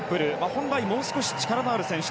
本来、もう少し力のある選手。